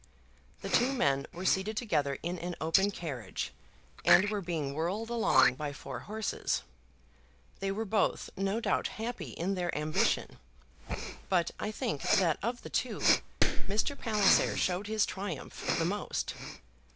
The two men were seated together in an open carriage, and were being whirled along by four horses. They were both no doubt happy in their ambition, but I think that of the two, Mr. Palliser showed his triumph the most.